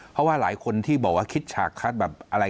เพราะว่าหลายคนที่บอกว่าคิดฉากคัดแบบอะไร